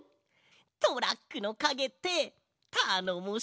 トラックのかげってたのもしいね。